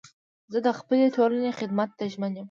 زه د خپلي ټولني خدمت ته ژمن یم.